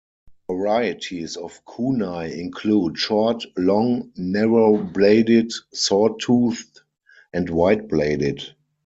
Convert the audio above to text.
Varieties of kunai include short, long, narrow-bladed, saw-toothed, and wide-bladed.